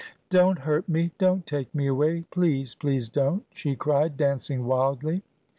"Don't hurt me! Don't take me away! Please, please don't!" she cried, dancing wildly.